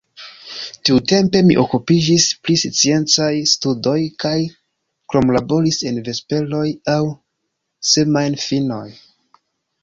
Tiutempe mi okupiĝis pri sciencaj studoj kaj kromlaboris en vesperoj aŭ semajnfinoj.